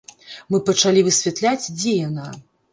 Мы пачалі высвятляць, дзе яна.